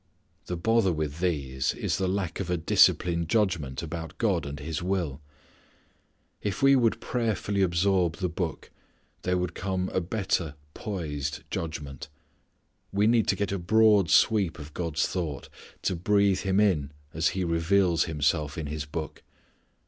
The bother with these is the lack of a disciplined judgment about God and His will. If we would prayerfully absorb the Book, there would come a better poised judgment. We need to get a broad sweep of God's thought, to breathe Him in as He reveals Himself in this Book.